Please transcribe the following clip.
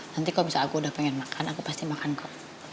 nanti kalau misalnya aku udah pengen makan aku pasti makan kok